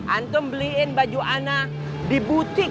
antum beliin baju anak di butik